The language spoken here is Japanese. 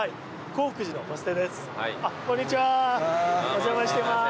お邪魔してます。